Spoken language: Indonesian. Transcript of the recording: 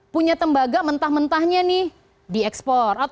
punya tembaga mentah mentahnya nih diekspor